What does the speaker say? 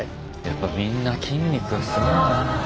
やっぱみんな筋肉がすごいな。